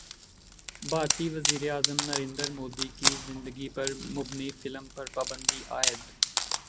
بھارتی وزیراعظم نریندر مودی کی زندگی پر مبنی فلم پر پابندی عائد